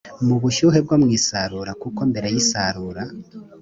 mu bushyuhe bwo mu isarura kuko mbere y isarura